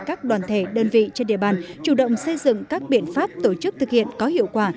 các đoàn thể đơn vị trên địa bàn chủ động xây dựng các biện pháp tổ chức thực hiện có hiệu quả